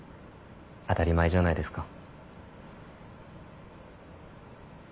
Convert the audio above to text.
当たり前じゃないですか。